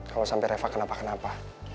kalau sampai refa kenapa kenapa